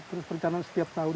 terus perencanaan setiap tahun